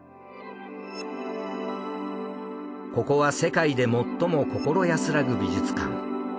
ここは世界で最も心安らぐ美術館。